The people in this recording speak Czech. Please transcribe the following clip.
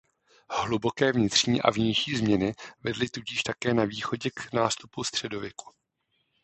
Hluboké vnitřní a vnější změny vedly tudíž také na Východě k nástupu středověku.